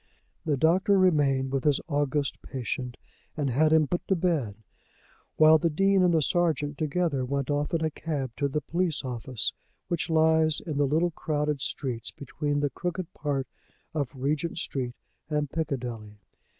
The doctor remained with his august patient and had him put to bed, while the Dean and the sergeant together went off in a cab to the police office which lies in the little crowded streets between the crooked part of Regent Street and Piccadilly.